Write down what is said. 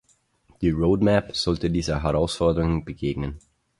Die Roadmap sollte dieser Herausforderung begegnen.